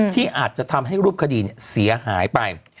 ที่อาจจะทำให้รูปคดีเสียหายไป